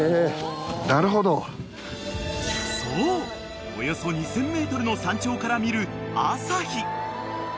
［そうおよそ２，０００ｍの山頂から見る朝日］